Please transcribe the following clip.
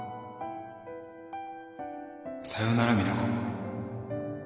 さよなら実那子